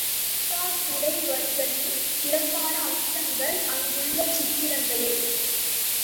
அஜந்தா குடைவரைகளின் சிறப்பான அம்சம் அங்குள்ள சித்திரங்களே.